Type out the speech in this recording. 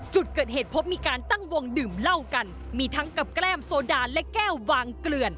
จุดเกิดเหตุพบมีการตั้งวงดื่มเหล้ากันมีทั้งกับแก้มโซดาและแก้ววางเกลื่อน